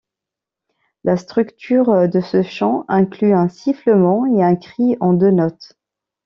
La structure de ce chant inclut un sifflement et un cri en deux notes.